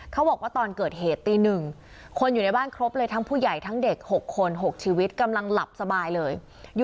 เขาบอกว่าตอนเกิดเหตุตี๑คนอยู่ในบ้านครบเลยทั้งผู้ใหญ่ทั้งเด็ก๖คน๖ชีวิตกำลังหลับสบายเลย